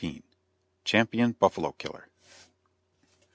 CHAMPION BUFFALO KILLER.